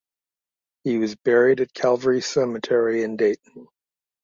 He was buried at Calvary Cemetery in Dayton.